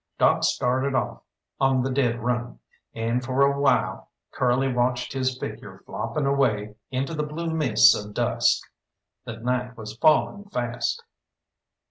Doc started off on the dead run, and for a while Curly watched his figure flopping away into the blue mists of dusk. The night was falling fast.